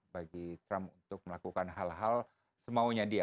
bagi trump untuk melakukan hal hal semaunya dia